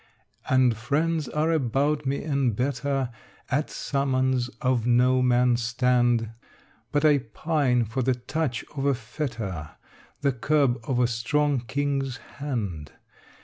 And friends are about me, and better At summons of no man stand: But I pine for the touch of a fetter, The curb of a strong king's hand.